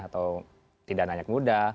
atau tidak nanya ke muda